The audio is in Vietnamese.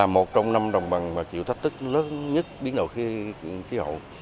một trong năm đồng bằng mà chịu thách thức lớn nhất biến đổi khí hậu